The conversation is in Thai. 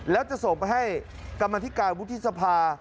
แล้วจะส่งไปให้กรรมธิการวุฒิสภา